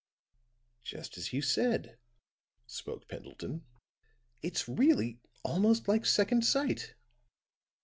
"Just as you said," spoke Pendleton. "It's really almost like second sight."